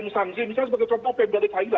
ada instansi misalnya sebagai contoh pembalik haida